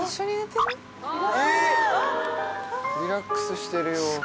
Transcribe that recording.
リラックスしてるよ。